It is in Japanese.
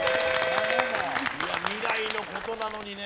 未来の事なのにね。